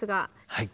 はい。